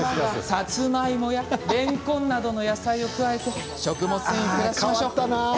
さつまいもやれんこんなどの野菜を加えて食物繊維プラスしましょうあぁ変わったなあ。